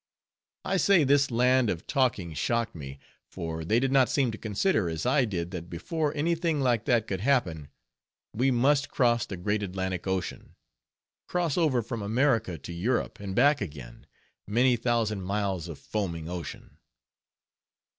I say this kind of talking shocked me, for they did not seem to consider, as I did, that before any thing like that could happen, we must cross the great Atlantic Ocean, cross over from America to Europe and back again, many thousand miles of foaming ocean.